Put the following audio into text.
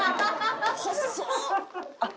細っ。